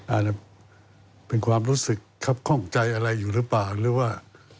อาจเป็นความรู้สึกคับข้องใจอะไรอยู่หรือเปล่า